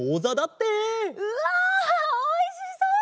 うわおいしそう！